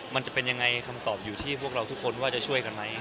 มันจะเป็นยังไงคำตอบอยู่ที่พวกเราทุกคนว่าจะช่วยกันไหม